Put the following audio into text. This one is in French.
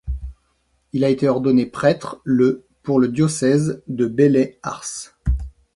Il a été ordonné prêtre le pour le diocèse de Belley-Ars.